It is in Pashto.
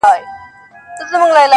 پر مخ وريځ.